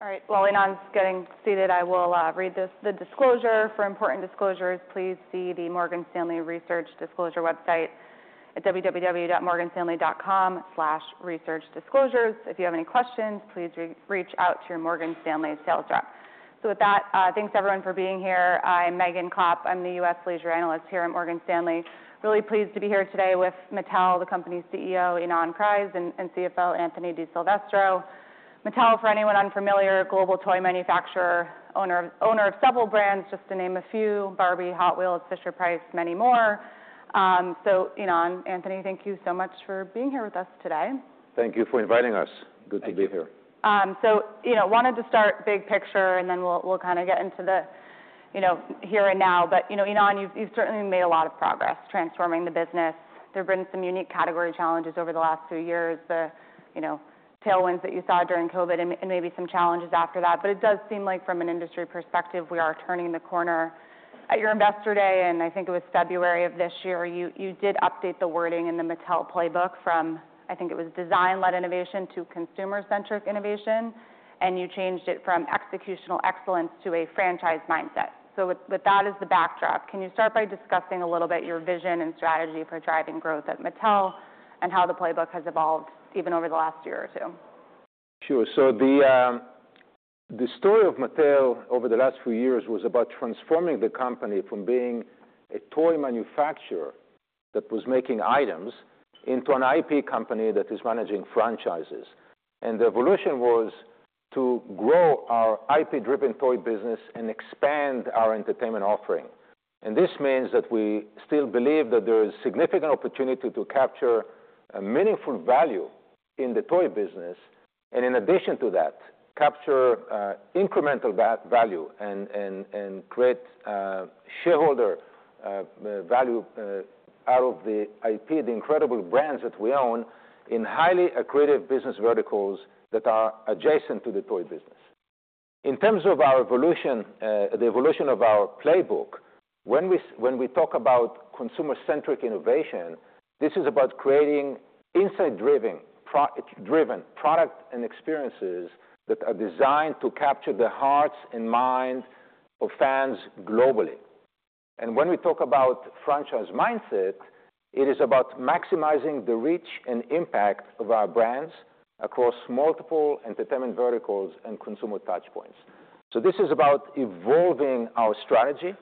All right. While Ynon's getting seated, I will read the disclosure for important disclosures. Please see the Morgan Stanley Research Disclosure website at www.morganstanley.com/researchdisclosures. If you have any questions, please reach out to your Morgan Stanley sales rep. With that, thanks everyone for being here. I'm Megan Klopp. I'm the U.S. leisure analyst here at Morgan Stanley. Really pleased to be here today with Mattel, the company's CEO, Ynon Kreiz, and CFO, Anthony DiSilvestro. Mattel, for anyone unfamiliar, a global toy manufacturer, owner of several brands, just to name a few: Barbie, Hot Wheels, Fisher-Price, many more. Ynon, Anthony, thank you so much for being here with us today. Thank you for inviting us. Good to be here. Okay. So, you know, wanted to start big picture, and then we'll, we'll kinda get into the, you know, here and now. But, you know, Ynon, you've, you've certainly made a lot of progress transforming the business. There've been some unique category challenges over the last few years, the, you know, tailwinds that you saw during COVID and, and maybe some challenges after that. But it does seem like, from an industry perspective, we are turning the corner. At your investor day, and I think it was February of this year, you, you did update the wording in the Mattel playbook from, I think it was, design-led innovation to consumer-centric innovation, and you changed it from executional excellence to a franchise mindset. So with that as the backdrop, can you start by discussing a little bit your vision and strategy for driving growth at Mattel and how the playbook has evolved even over the last year or two? Sure. So the story of Mattel over the last few years was about transforming the company from being a toy manufacturer that was making items into an IP company that is managing franchises. And the evolution was to grow our IP-driven toy business and expand our entertainment offering. And this means that we still believe that there is significant opportunity to capture a meaningful value in the toy business, and in addition to that, capture incremental value and create shareholder value out of the IP, the incredible brands that we own in highly accretive business verticals that are adjacent to the toy business. In terms of our evolution, the evolution of our playbook, when we talk about consumer-centric innovation, this is about creating insight-driven products and experiences that are designed to capture the hearts and minds of fans globally. When we talk about franchise mindset, it is about maximizing the reach and impact of our brands across multiple entertainment verticals and consumer touchpoints. So this is about evolving our strategy.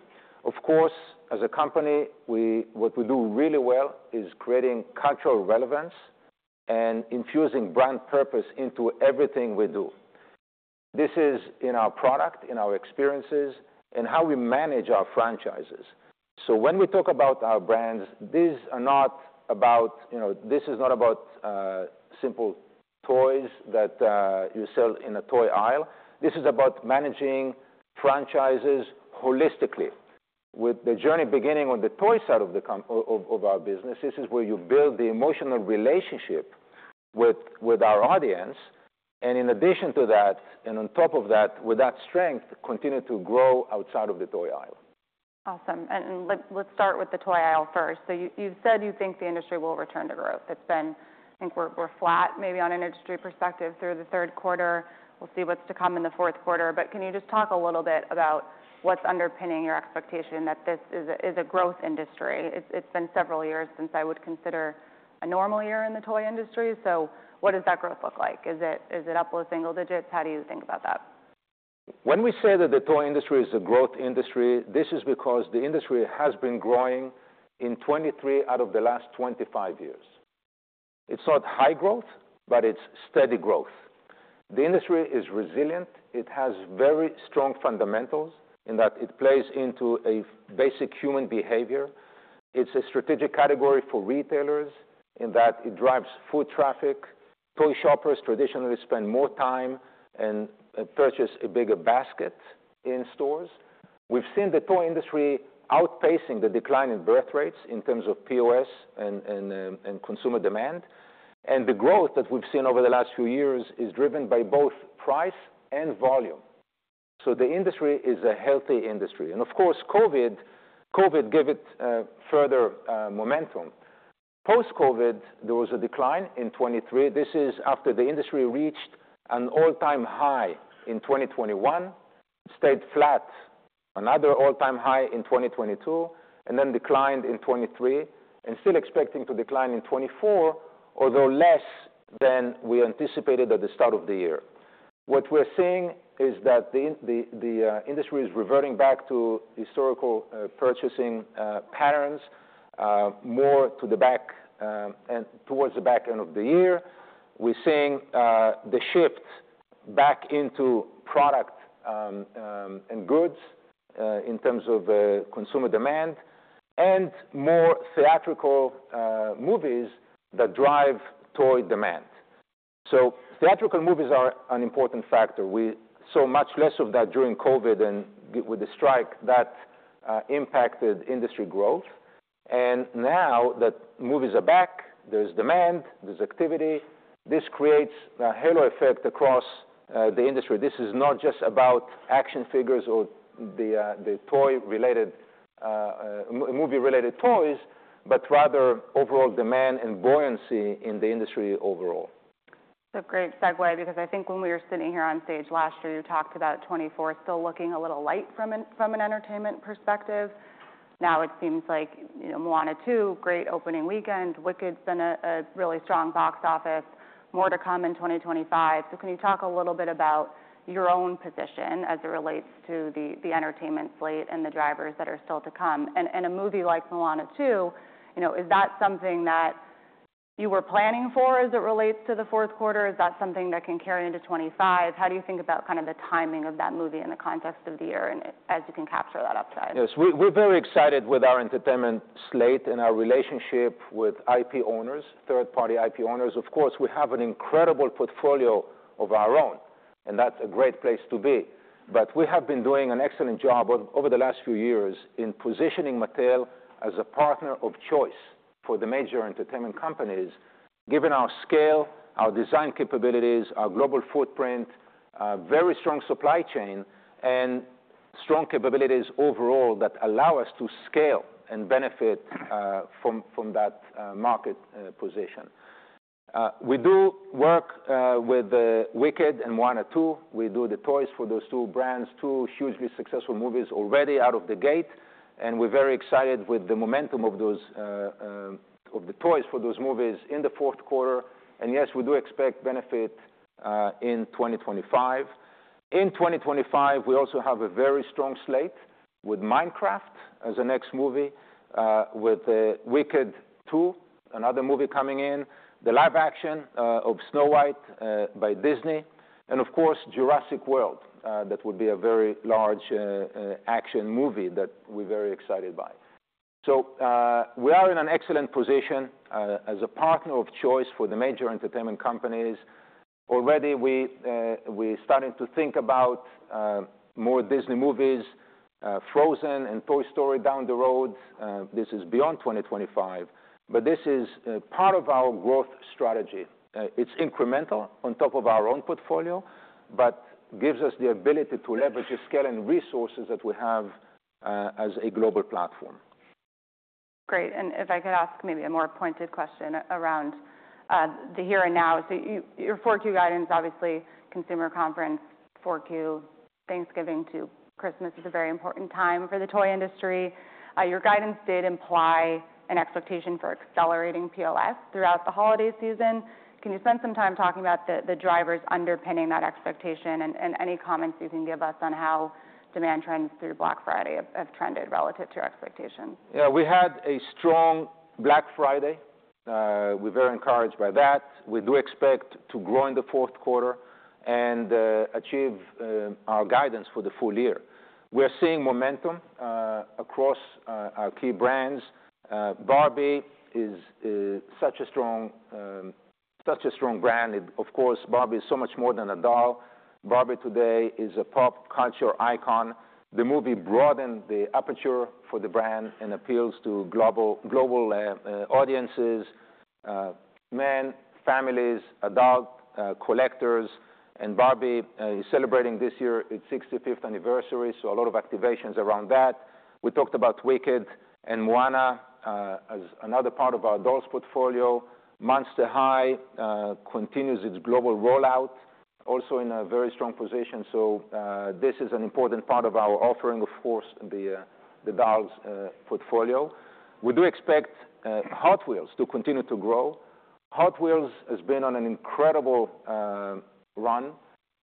Of course, as a company, what we do really well is creating cultural relevance and infusing brand purpose into everything we do. This is in our product, in our experiences, and how we manage our franchises. So when we talk about our brands, these are not about, you know, this is not about simple toys that you sell in a toy aisle. This is about managing franchises holistically. With the journey beginning on the toy side of the core of our business, this is where you build the emotional relationship with our audience. In addition to that, and on top of that, with that strength, continue to grow outside of the toy aisle. Awesome. And, let's start with the toy aisle first. So you, you've said you think the industry will return to growth. It's been, I think we're flat maybe on an industry perspective through the third quarter. We'll see what's to come in the fourth quarter. But can you just talk a little bit about what's underpinning your expectation that this is a growth industry? It's been several years since I would consider a normal year in the toy industry. So what does that growth look like? Is it up with single digits? How do you think about that? When we say that the toy industry is a growth industry, this is because the industry has been growing in 23 out of the last 25 years. It's not high growth, but it's steady growth. The industry is resilient. It has very strong fundamentals in that it plays into a basic human behavior. It's a strategic category for retailers in that it drives food traffic. Toy shoppers traditionally spend more time and purchase a bigger basket in stores. We've seen the toy industry outpacing the decline in birth rates in terms of POS and consumer demand, and the growth that we've seen over the last few years is driven by both price and volume. So the industry is a healthy industry, and of course, COVID gave it further momentum. Post-COVID, there was a decline in 2023. This is after the industry reached an all-time high in 2021, stayed flat, another all-time high in 2022, and then declined in 2023, and still expecting to decline in 2024, although less than we anticipated at the start of the year. What we're seeing is that the industry is reverting back to historical purchasing patterns, more to the back and towards the back end of the year. We're seeing the shift back into product and goods in terms of consumer demand and more theatrical movies that drive toy demand. So theatrical movies are an important factor. We saw much less of that during COVID and with the strike that impacted industry growth, and now that movies are back, there's demand, there's activity. This creates a halo effect across the industry. This is not just about action figures or the toy-related, movie-related toys, but rather overall demand and buoyancy in the industry overall. That's a great segue because I think when we were sitting here on stage last year, you talked about 2024 still looking a little light from an entertainment perspective. Now it seems like, you know, Moana 2, great opening weekend, Wicked's been a really strong box office, more to come in 2025. So can you talk a little bit about your own position as it relates to the entertainment slate and the drivers that are still to come? And a movie like Moana 2, you know, is that something that you were planning for as it relates to the fourth quarter? Is that something that can carry into 2025? How do you think about kind of the timing of that movie in the context of the year and as you can capture that upside? Yes. We're very excited with our entertainment slate and our relationship with IP owners, third-party IP owners. Of course, we have an incredible portfolio of our own, and that's a great place to be. But we have been doing an excellent job over the last few years in positioning Mattel as a partner of choice for the major entertainment companies, given our scale, our design capabilities, our global footprint, very strong supply chain, and strong capabilities overall that allow us to scale and benefit from that market position. We do work with Wicked and Moana 2. We do the toys for those two brands, two hugely successful movies already out of the gate. And we're very excited with the momentum of those toys for those movies in the fourth quarter. And yes, we do expect benefit in 2025. In 2025, we also have a very strong slate with Minecraft as the next movie, with Wicked 2, another movie coming in, the live-action of Snow White by Disney, and of course, Jurassic World, that would be a very large action movie that we're very excited by. We are in an excellent position as a partner of choice for the major entertainment companies. Already, we, we're starting to think about more Disney movies, Frozen and Toy Story down the road. This is beyond 2025, but this is part of our growth strategy. It's incremental on top of our own portfolio, but gives us the ability to leverage the scale and resources that we have as a global platform. Great. And if I could ask maybe a more pointed question around the here and now. So, your 4Q guidance, obviously, consumer conference, 4Q, Thanksgiving to Christmas is a very important time for the toy industry. Your guidance did imply an expectation for accelerating POS throughout the holiday season. Can you spend some time talking about the drivers underpinning that expectation and any comments you can give us on how demand trends through Black Friday have trended relative to your expectations? Yeah. We had a strong Black Friday. We're very encouraged by that. We do expect to grow in the fourth quarter and achieve our guidance for the full year. We're seeing momentum across our key brands. Barbie is such a strong brand. Of course, Barbie is so much more than a doll. Barbie today is a pop culture icon. The movie broadened the aperture for the brand and appeals to global audiences, men, families, adult collectors. And Barbie is celebrating this year its 65th anniversary, so a lot of activations around that. We talked about Wicked and Moana as another part of our dolls portfolio. Monster High continues its global rollout, also in a very strong position. So, this is an important part of our offering, of course, the dolls portfolio. We do expect Hot Wheels to continue to grow. Hot Wheels has been on an incredible run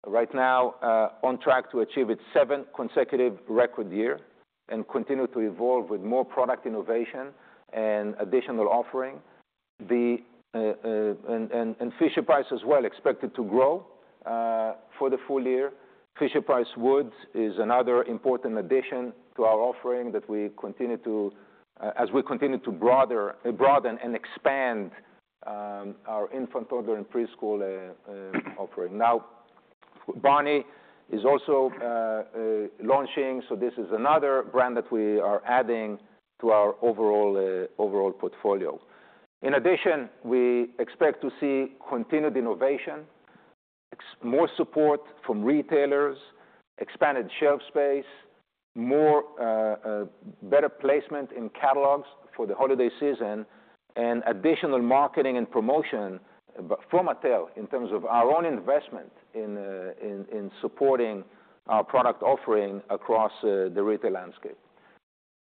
right now, on track to achieve its seventh consecutive record year and continue to evolve with more product innovation and additional offering, and Fisher-Price as well expected to grow for the full year. Fisher-Price Wood is another important addition to our offering that we continue to broaden and expand our infant and toddler and preschool offering. Now, Barney is also launching, so this is another brand that we are adding to our overall portfolio. In addition, we expect to see continued innovation as more support from retailers, expanded shelf space, better placement in catalogs for the holiday season, and additional marketing and promotion from Mattel in terms of our own investment in supporting our product offering across the retail landscape.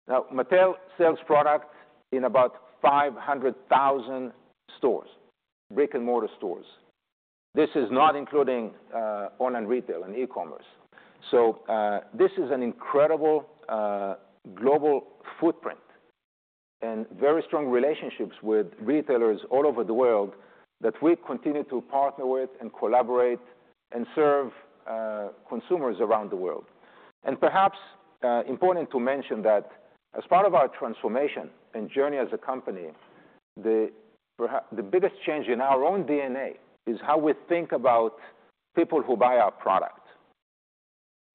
Now, Mattel sells product in about 500,000 brick-and-mortar stores. This is not including online retail and e-commerce. So, this is an incredible global footprint and very strong relationships with retailers all over the world that we continue to partner with and collaborate and serve consumers around the world. And perhaps important to mention that as part of our transformation and journey as a company, the perhaps biggest change in our own DNA is how we think about people who buy our product.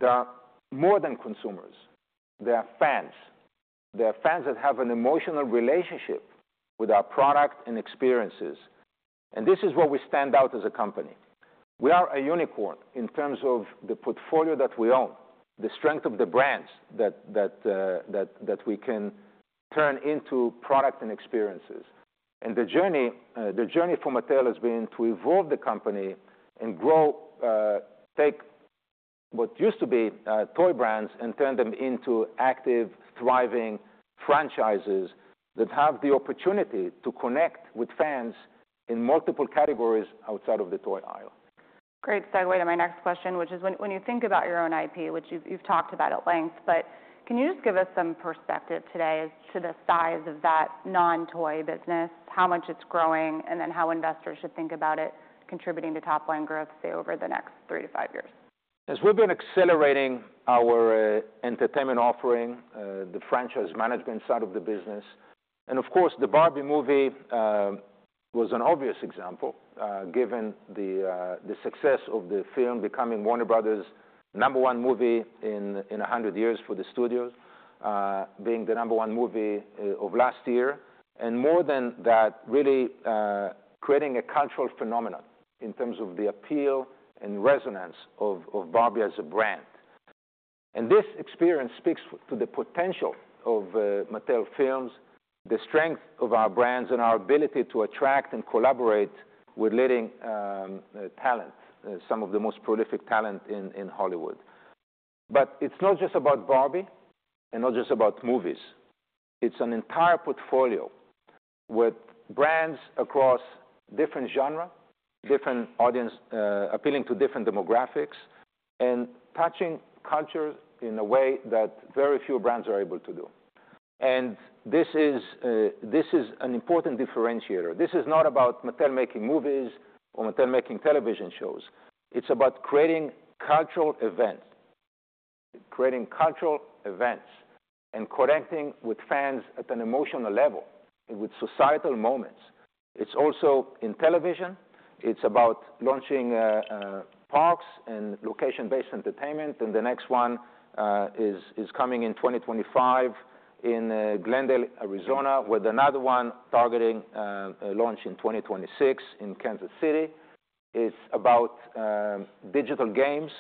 They're more than consumers. They're fans. They're fans that have an emotional relationship with our product and experiences. And this is what we stand out as a company. We are a unicorn in terms of the portfolio that we own, the strength of the brands that we can turn into product and experiences. The journey for Mattel has been to evolve the company and grow, take what used to be toy brands and turn them into active, thriving franchises that have the opportunity to connect with fans in multiple categories outside of the toy aisle. Great segue to my next question, which is when you think about your own IP, which you've talked about at length, but can you just give us some perspective today as to the size of that non-toy business, how much it's growing, and then how investors should think about it contributing to top-line growth, say, over the next three to five years? As we've been accelerating our entertainment offering, the franchise management side of the business, and of course, the Barbie movie, was an obvious example, given the success of the film becoming Warner Bros.' number one movie in 100 years for the studios, being the number one movie of last year. And more than that, really, creating a cultural phenomenon in terms of the appeal and resonance of Barbie as a brand. And this experience speaks to the potential of Mattel Films, the strength of our brands, and our ability to attract and collaborate with leading talent, some of the most prolific talent in Hollywood. But it's not just about Barbie and not just about movies. It's an entire portfolio with brands across different genres, different audience, appealing to different demographics, and touching culture in a way that very few brands are able to do. And this is, this is an important differentiator. This is not about Mattel making movies or Mattel making television shows. It's about creating cultural events, creating cultural events, and connecting with fans at an emotional level and with societal moments. It's also in television. It's about launching parks and location-based entertainment. And the next one is coming in 2025 in Glendale, Arizona, with another one targeting a launch in 2026 in Kansas City. It's about digital games.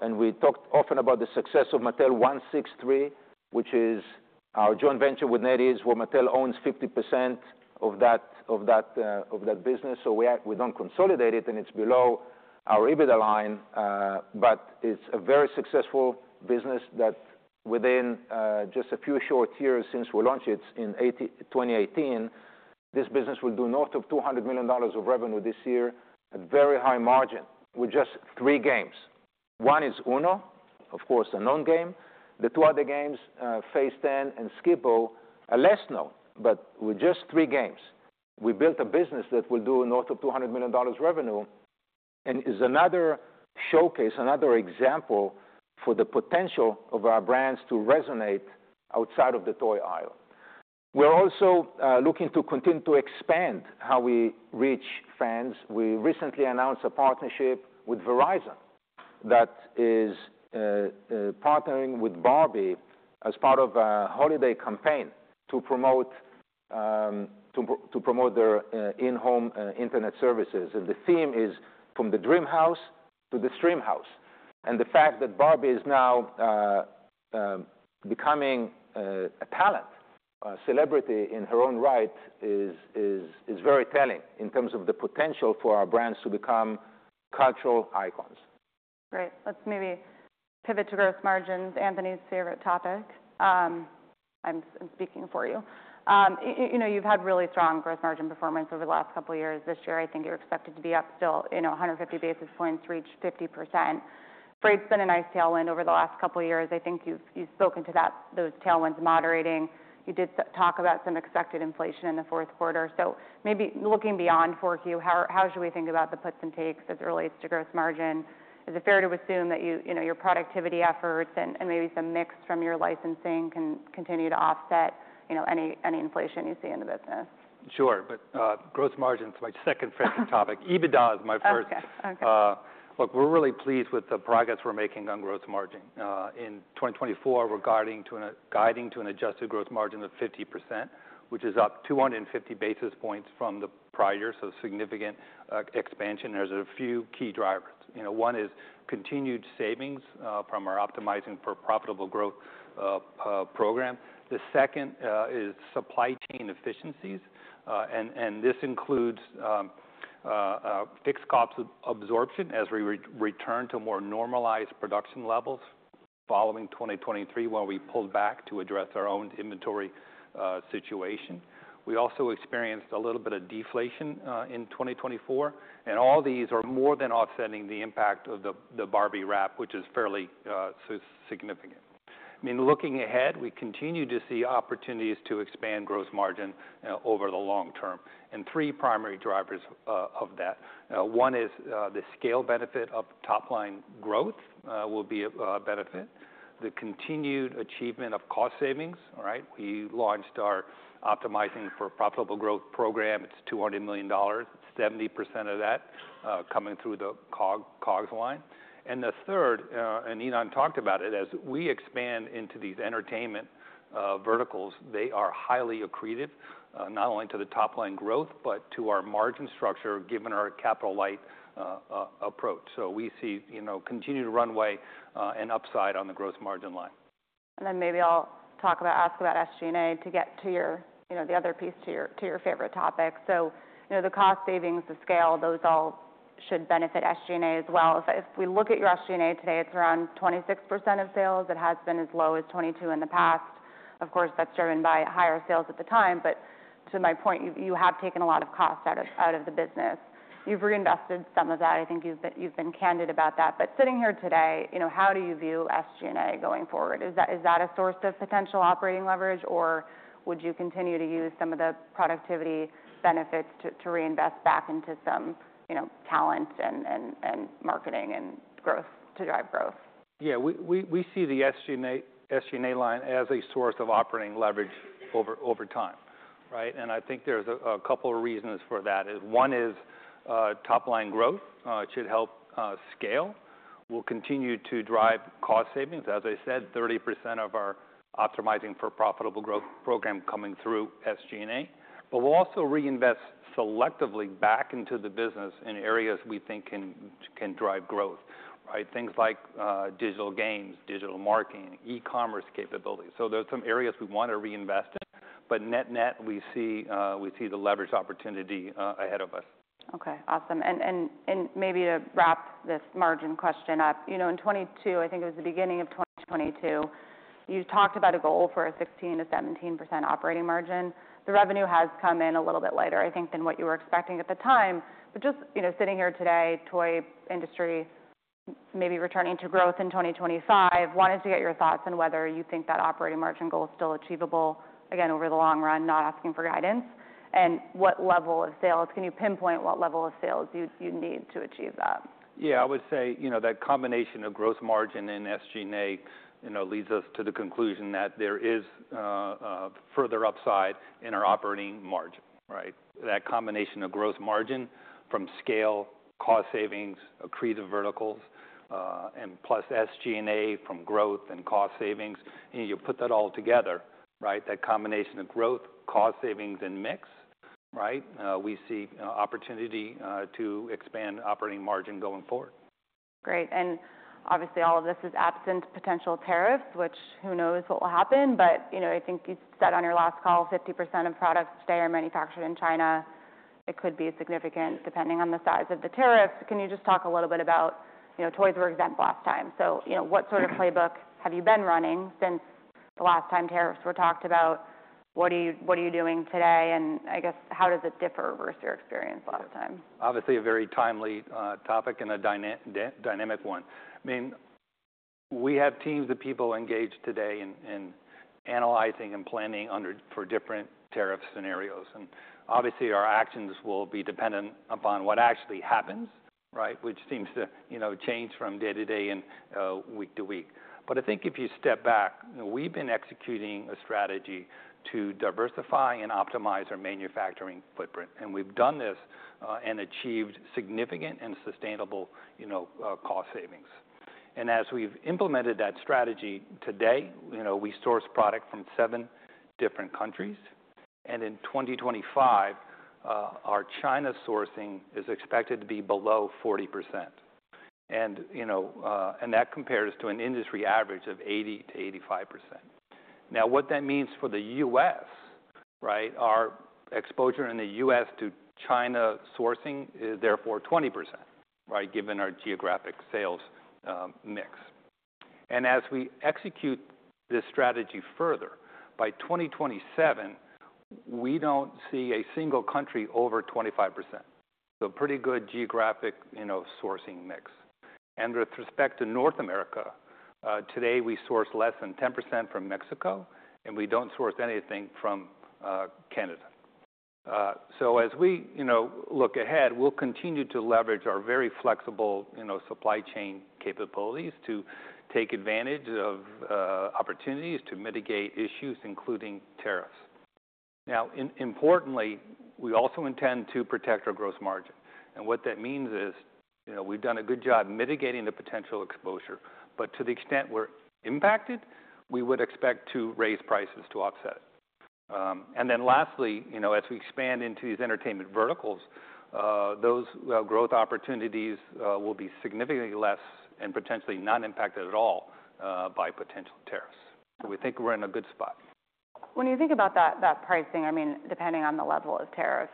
And we talked often about the success of Mattel 163, which is our joint venture with NetEase, where Mattel owns 50% of that business. So we act, we don't consolidate it, and it's below our EBITDA line, but it's a very successful business that within just a few short years since we launched it in 2018, this business will do north of $200 million of revenue this year at very high margin with just three games. One is Uno, of course, a known game. The two other games, Phase 10 and Skip-Bo, are less known, but with just three games, we built a business that will do north of $200 million revenue and is another showcase, another example for the potential of our brands to resonate outside of the toy aisle. We're also looking to continue to expand how we reach fans. We recently announced a partnership with Verizon that is partnering with Barbie as part of a holiday campaign to promote their in-home internet services. The theme is from the dream house to the stream house. The fact that Barbie is now becoming a talent, a celebrity in her own right is very telling in terms of the potential for our brands to become cultural icons. Great. Let's maybe pivot to gross margins, Anthony's favorite topic. I'm speaking for you. You know, you've had really strong gross margin performance over the last couple of years. This year, I think you're expected to be up still, you know, 150 basis points, reach 50%. Freight's been a nice tailwind over the last couple of years. I think you've spoken to that, those tailwinds moderating. You did talk about some expected inflation in the fourth quarter. Maybe looking beyond 4Q, how should we think about the puts and takes as it relates to gross margin? Is it fair to assume that you know, your productivity efforts and maybe some mix from your licensing can continue to offset, you know, any inflation you see in the business? Sure, but gross margin's my second favorite topic. EBITDA is my first. Okay. Okay. Look, we're really pleased with the progress we're making on gross margin. In 2024, we're guiding to an adjusted gross margin of 50%, which is up 250 basis points from the prior, so significant expansion. There's a few key drivers. You know, one is continued savings from our optimizing for profitable growth program. The second is supply chain efficiencies, and this includes fixed cost absorption as we return to more normalized production levels following 2023, where we pulled back to address our own inventory situation. We also experienced a little bit of deflation in 2024, and all these are more than offsetting the impact of the Barbie wrap, which is fairly so significant. I mean, looking ahead, we continue to see opportunities to expand gross margin over the long term and three primary drivers of that. One is the scale benefit of top-line growth, which will be a benefit. The continued achievement of cost savings, all right? We launched our optimizing for profitable growth program. It's $200 million, 70% of that, coming through the COG, COGS line. The third, and Ynon talked about it, as we expand into these entertainment verticals, they are highly accretive, not only to the top-line growth, but to our margin structure given our capital-light approach. So we see, you know, continued runway, and upside on the gross margin line. And then maybe I'll talk about, ask about SG&A to get to your, you know, the other piece to your, to your favorite topic. So, you know, the cost savings, the scale, those all should benefit SG&A as well. If we look at your SG&A today, it's around 26% of sales. It has been as low as 22% in the past. Of course, that's driven by higher sales at the time. To my point, you have taken a lot of cost out of the business. You've reinvested some of that. I think you've been candid about that. But sitting here today, you know, how do you view SG&A going forward? Is that a source of potential operating leverage, or would you continue to use some of the productivity benefits to reinvest back into some, you know, talent and marketing and growth to drive growth? Yeah. We see the SG&A line as a source of operating leverage over time, right? I think there's a couple of reasons for that. One is top-line growth. It should help scale. We'll continue to drive cost savings. As I said, 30% of our Optimizing for Profitable Growth program coming through SG&A. But we'll also reinvest selectively back into the business in areas we think can drive growth, right? Things like digital games, digital marketing, e-commerce capabilities. So there's some areas we want to reinvest in, but net-net, we see the leverage opportunity ahead of us. Okay. Awesome. Maybe to wrap this margin question up, you know, in '22, I think it was the beginning of 2022, you talked about a goal for a 16%-17% operating margin. The revenue has come in a little bit lighter, I think, than what you were expecting at the time. But just, you know, sitting here today, toy industry maybe returning to growth in 2025, wanted to get your thoughts on whether you think that operating margin goal is still achievable, again, over the long run, not asking for guidance. And what level of sales? Can you pinpoint what level of sales you need to achieve that? Yeah. I would say, you know, that combination of gross margin and SG&A, leads us to the conclusion that there is further upside in our operating margin, right? That combination of gross margin from scale, cost savings, accretive verticals, and plus SG&A from growth and cost savings, and you put that all together, right? That combination of growth, cost savings, and mix, right? We see opportunity to expand operating margin going forward. Great. And obviously, all of this is absent potential tariffs, which who knows what will happen. I think you said on your last call, 50% of products today are manufactured in China. It could be significant depending on the size of the tariffs. Can you just talk a little bit about, you know, toys were exempt last time? So, you know, what sort of playbook have you been running since the last time tariffs were talked about? What are you, what are you doing today? And I guess, how does it differ versus your experience last time? Obviously, a very timely topic and a dynamic one. I mean, we have teams of people engaged today in analyzing and planning for different tariff scenarios, and obviously, our actions will be dependent upon what actually happens, right, which seems to, you know, change from day to day and week to week, but I think if you step back, we've been executing a strategy to diversify and optimize our manufacturing footprint, and we've done this and achieved significant and sustainable, you know, cost savings. As we've implemented that strategy today, you know, we source product from seven different countries, and in 2025, our China sourcing is expected to be below 40%, and that compares to an industry average of 80%-85%. Now, what that means for the U.S., right? Our exposure in the U.S. to China sourcing is therefore 20%, right? Given our geographic sales mix. And as we execute this strategy further, by 2027, we don't see a single country over 25%. So pretty good geographic, you know, sourcing mix. And with respect to North America, today we source less than 10% from Mexico, and we don't source anything from Canada, so as we, you know, look ahead, we'll continue to leverage our very flexible, you know, supply chain capabilities to take advantage of opportunities to mitigate issues, including tariffs. Now, importantly, we also intend to protect our gross margin. And what that means is, you know, we've done a good job mitigating the potential exposure, but to the extent we're impacted, we would expect to raise prices to offset it. And then lastly, you know, as we expand into these entertainment verticals, those growth opportunities will be significantly less and potentially non-impacted at all by potential tariffs. So we think we're in a good spot. When you think about that pricing, I mean, depending on the level of tariff,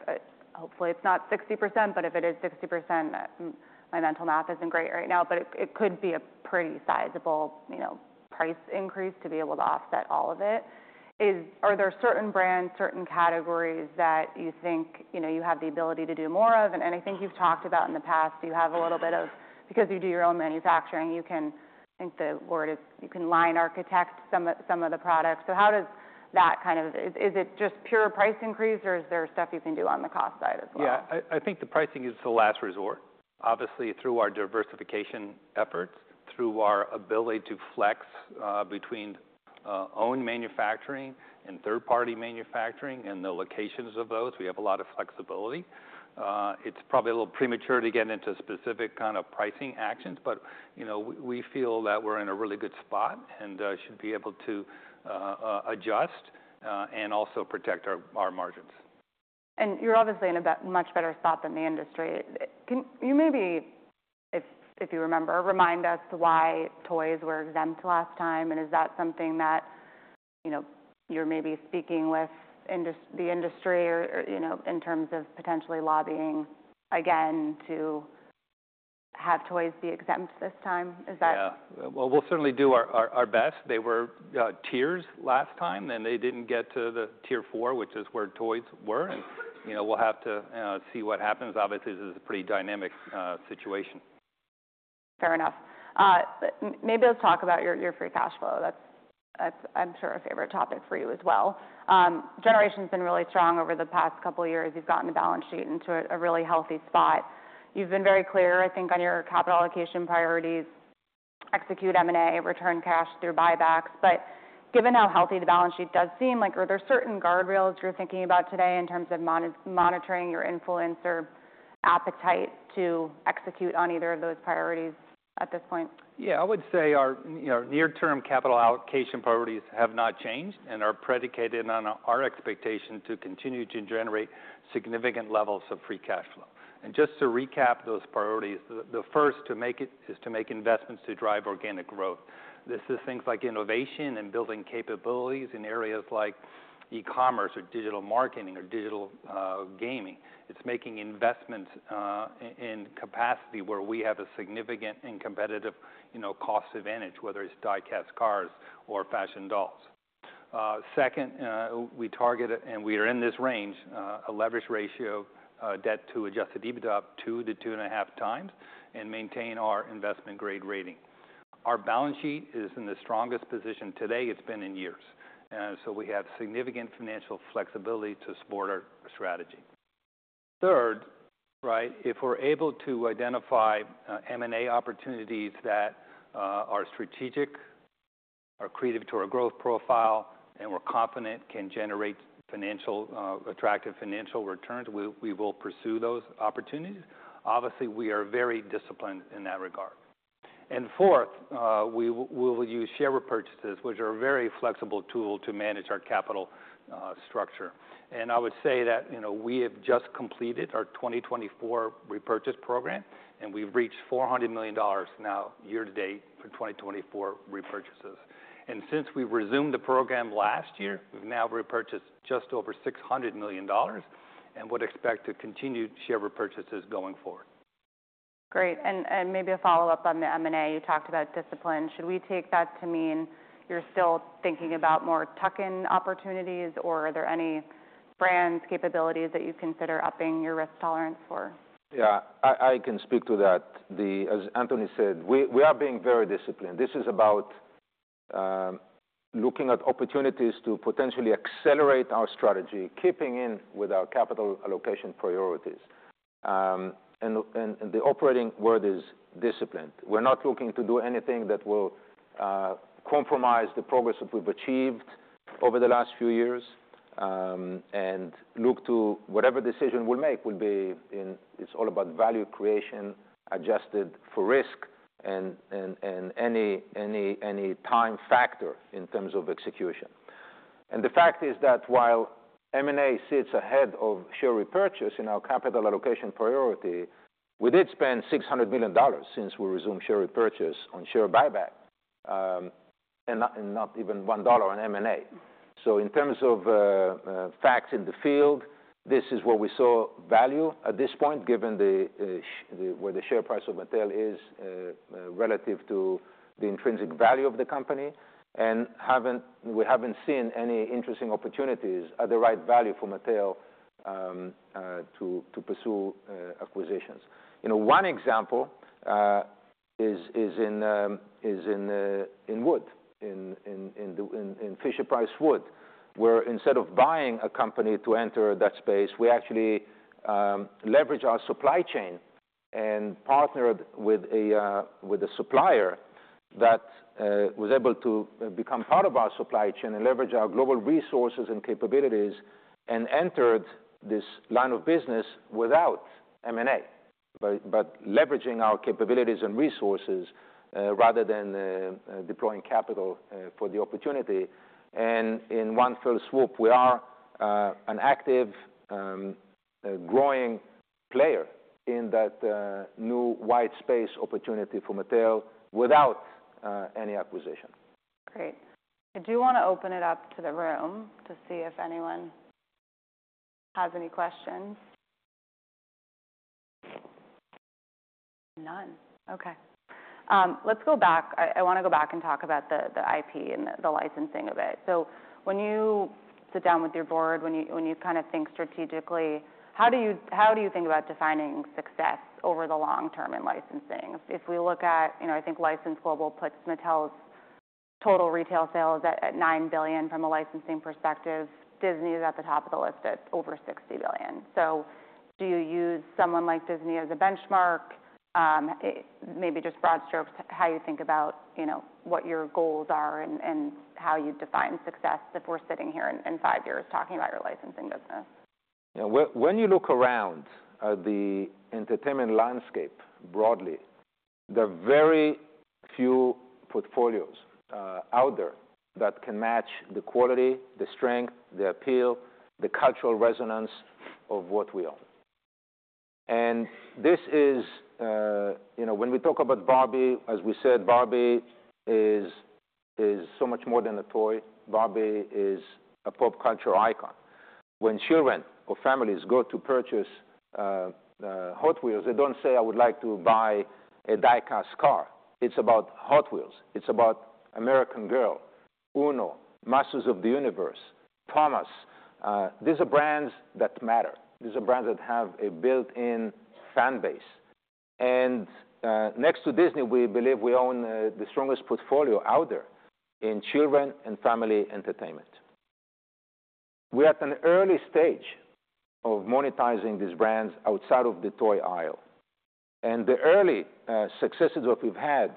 hopefully it's not 60%, but if it is 60%, my mental math isn't great right now, but it could be a pretty sizable, you know, price increase to be able to offset all of it. Are there certain brands, certain categories that you think, you know, you have the ability to do more of? And I think you've talked about in the past, you have a little bit of, because you do your own manufacturing, you can think the word is, you can line architect some of the products. So how does that kind of, is it just pure price increase or is there stuff you can do on the cost side as well? Yeah. I think the pricing is the last resort, obviously through our diversification efforts, through our ability to flex between own manufacturing and third-party manufacturing and the locations of those. We have a lot of flexibility. It's probably a little premature to get into specific kind of pricing actions, but, you know, we feel that we're in a really good spot and should be able to adjust and also protect our margins. You're obviously in a much better spot than the industry. Can you maybe, if you remember, remind us why toys were exempt last time? Is that something that, you know, you're maybe speaking with the industry or, you know, in terms of potentially lobbying again to have toys be exempt this time? Is that? Yeah, well, we'll certainly do our best. They were tiers last time and they didn't get to the tier four, which is where toys were, and you know, we'll have to see what happens. Obviously, this is a pretty dynamic situation. Fair enough. Maybe let's talk about your free cash flow generation. That's, I'm sure a favorite topic for you as well. Generation's been really strong over the past couple of years. You've gotten the balance sheet into a really healthy spot. You've been very clear, I think, on your capital allocation priorities, execute M&A, return cash through buybacks. But given how healthy the balance sheet does seem, like, are there certain guardrails you're thinking about today in terms of monitoring your investment appetite to execute on either of those priorities at this point? Yeah. I would say our, you know, our near-term capital allocation priorities have not changed and are predicated on our expectation to continue to generate significant levels of free cash flow, and just to recap those priorities, the first to make it is to make investments to drive organic growth. This is things like innovation and building capabilities in areas like e-commerce or digital marketing or digital gaming. It's making investments in capacity where we have a significant and competitive, you know, cost advantage, whether it's die-cast cars or fashion dolls. Second, we target it and we are in this range, a leverage ratio, debt to Adjusted EBITDA of two to two and a half times and maintain our investment grade rating. Our balance sheet is in the strongest position today it's been in years, and so we have significant financial flexibility to support our strategy. Third, right? If we're able to identify M&A opportunities that are strategic, are accretive to our growth profile, and we're confident can generate attractive financial returns, we will pursue those opportunities. Obviously, we are very disciplined in that regard. Fourth, we will use share repurchases, which are a very flexible tool to manage our capital structure. I would say that, you know, we have just completed our 2024 repurchase program and we've reached $400 million now year-to-date for 2024 repurchases. Since we've resumed the program last year, we've now repurchased just over $600 million and would expect to continue share repurchases going forward. Great. And maybe a follow-up on the M&A. You talked about discipline. Should we take that to mean you're still thinking about more tuck-in opportunities or are there any brands, capabilities that you consider upping your risk tolerance for? Yeah. I can speak to that. As Anthony said, we are being very disciplined. This is about looking at opportunities to potentially accelerate our strategy, keeping in with our capital allocation priorities, and the operating word is disciplined. We're not looking to do anything that will compromise the progress that we've achieved over the last few years, and whatever decision we'll make will be in. It's all about value creation adjusted for risk and any time factor in terms of execution. The fact is that while M&A sits ahead of share repurchase in our capital allocation priority, we did spend $600 million since we resumed share repurchase on share buyback, and not even $1 on M&A. In terms of facts in the field, this is where we saw value at this point, given where the share price of Mattel is relative to the intrinsic value of the company. We haven't seen any interesting opportunities at the right value for Mattel to pursue acquisitions. You know, one example is in wood in the Fisher-Price Wood, where instead of buying a company to enter that space, we actually leveraged our supply chain and partnered with a supplier that was able to become part of our supply chain and leverage our global resources and capabilities and entered this line of business without M&A, but leveraging our capabilities and resources rather than deploying capital for the opportunity. In one fell swoop, we are an active, growing player in that new white space opportunity for Mattel without any acquisition. Great. I do want to open it up to the room to see if anyone has any questions. None. Okay. Let's go back. I want to go back and talk about the IP and the licensing of it. So when you sit down with your board, when you kind of think strategically, how do you think about defining success over the long term in licensing? If we look at, you know, I think License Global puts Mattel's total retail sales at $9 billion from a licensing perspective. Disney's at the top of the list at over $60 billion. So do you use someone like Disney as a benchmark? Maybe just broad strokes, how you think about, you know, what your goals are and how you define success if we're sitting here in five years talking about your licensing business? Yeah. When you look around the entertainment landscape broadly, there are very few portfolios out there that can match the quality, the strength, the appeal, the cultural resonance of what we own. And this is, you know, when we talk about Barbie, as we said, Barbie is so much more than a toy. Barbie is a pop culture icon. When children or families go to purchase Hot Wheels, they don't say, "I would like to buy a die-cast car." It's about Hot Wheels. It's about American Girl, Uno, Masters of the Universe, Thomas. These are brands that matter. These are brands that have a built-in fan base. And, next to Disney, we believe we own the strongest portfolio out there in children and family entertainment. We're at an early stage of monetizing these brands outside of the toy aisle. The early successes that we've had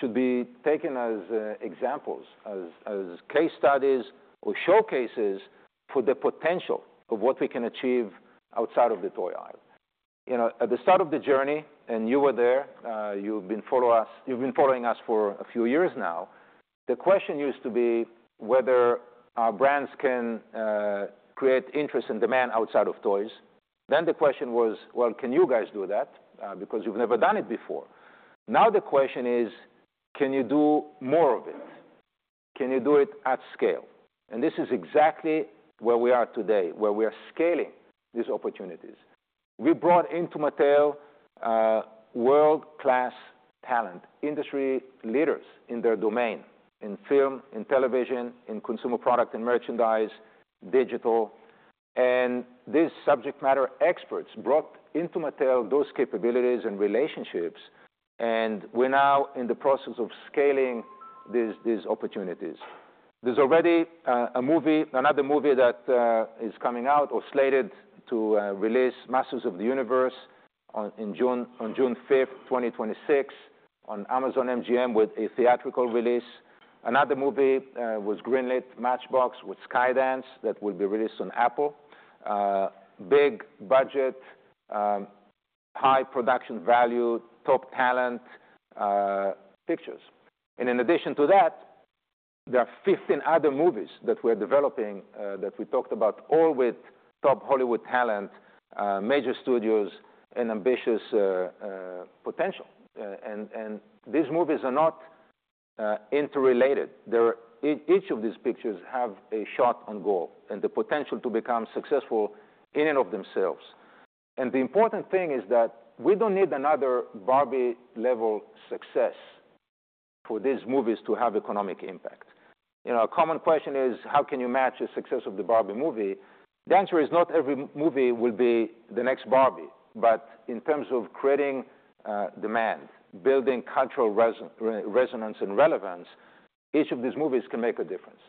should be taken as examples, as case studies or showcases for the potential of what we can achieve outside of the toy aisle. You know, at the start of the journey, and you were there, you've been following us, you've been following us for a few years now. The question used to be whether our brands can create interest and demand outside of toys. Then the question was, "Well, can you guys do that?" because you've never done it before. Now the question is, can you do more of it? Can you do it at scale? And this is exactly where we are today, where we are scaling these opportunities. We brought into Mattel world-class talent, industry leaders in their domain, in film, in television, in consumer product and merchandise, digital. These subject matter experts brought into Mattel those capabilities and relationships. We're now in the process of scaling these opportunities. There's already another movie that is coming out or slated to release Masters of the Universe in June, on June 5th, 2026 on Amazon MGM with a theatrical release. Another movie was greenlit, Matchbox with Skydance that will be released on Apple. Big budget, high production value, top talent pictures. In addition to that, there are 15 other movies that we are developing that we talked about, all with top Hollywood talent, major studios and ambitious potential. These movies are not interrelated. They're each of these pictures have a shot on goal and the potential to become successful in and of themselves. And the important thing is that we don't need another Barbie-level success for these movies to have economic impact. You know, a common question is, how can you match the success of the Barbie movie? The answer is not every movie will be the next Barbie, but in terms of creating demand, building cultural resonance and relevance, each of these movies can make a difference.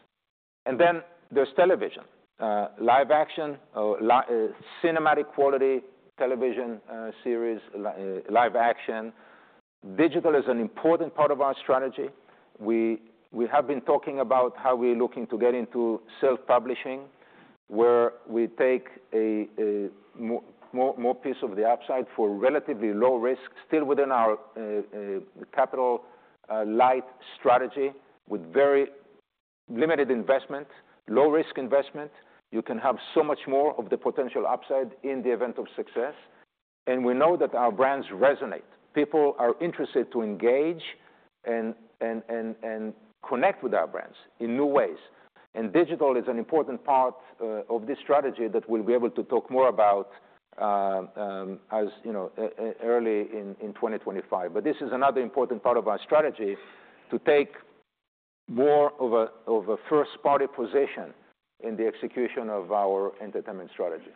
And then there's television, live action or high cinematic quality television series, live action. Digital is an important part of our strategy. We have been talking about how we're looking to get into self-publishing, where we take a more piece of the upside for relatively low risk, still within our capital-light strategy with very limited investment, low-risk investment. You can have so much more of the potential upside in the event of success. We know that our brands resonate. People are interested to engage and connect with our brands in new ways. Digital is an important part of this strategy that we'll be able to talk more about, as you know, early in 2025. This is another important part of our strategy to take more of a first-party position in the execution of our entertainment strategy.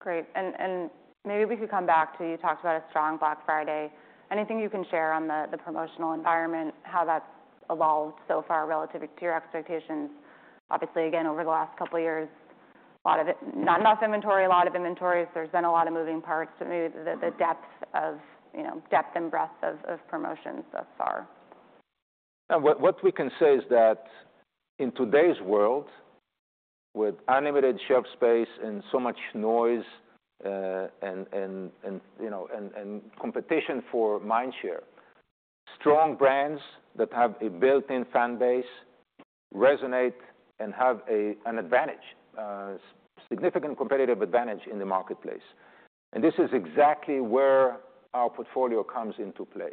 Great. And maybe we could come back to, you talked about a strong Black Friday. Anything you can share on the promotional environment, how that's evolved so far relative to your expectations? Obviously, again, over the last couple of years, a lot of it, not enough inventory, a lot of inventories. There's been a lot of moving parts, but maybe the depth of, you know, depth and breadth of promotions thus far. What we can say is that in today's world, with unlimited shelf space and so much noise, and you know, competition for mind share, strong brands that have a built-in fan base resonate and have an advantage, significant competitive advantage in the marketplace. This is exactly where our portfolio comes into play.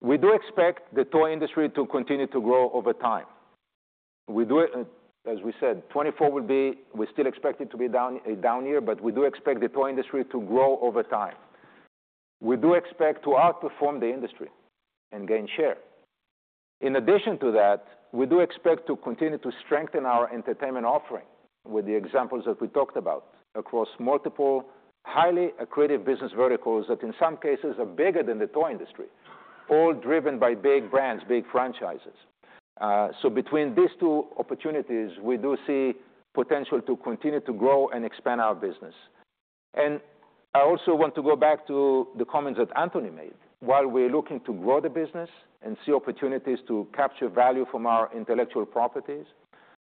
We do expect the toy industry to continue to grow over time. We do, as we said, 2024 will be, we still expect it to be a down year, but we do expect the toy industry to grow over time. We do expect to outperform the industry and gain share. In addition to that, we do expect to continue to strengthen our entertainment offering with the examples that we talked about across multiple highly accretive business verticals that in some cases are bigger than the toy industry, all driven by big brands, big franchises. So between these two opportunities, we do see potential to continue to grow and expand our business. And I also want to go back to the comments that Anthony made. While we're looking to grow the business and see opportunities to capture value from our intellectual properties,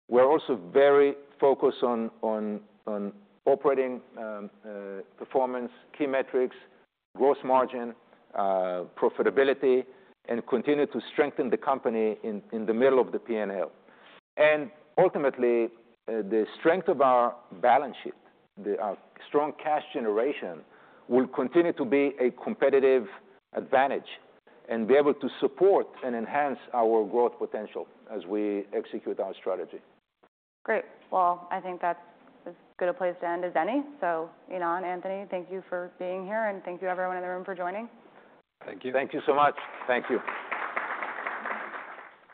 we're also very focused on operating performance, key metrics, gross margin, profitability, and continue to strengthen the company in the middle of the P&L. Ultimately, the strength of our balance sheet, our strong cash generation will continue to be a competitive advantage and be able to support and enhance our growth potential as we execute our strategy. Great. Well, I think that's as good a place to end as any. So, Ynon, Anthony, thank you for being here. And thank you, everyone in the room, for joining. Thank you. Thank you so much. Thank you.